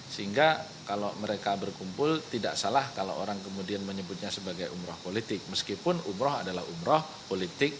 sehingga kalau mereka berkumpul tidak salah kalau orang kemudian menyebutnya sebagai umroh politik meskipun umroh adalah umroh politik